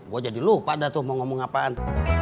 gue jadi lupa dah tuh mau ngomong apaan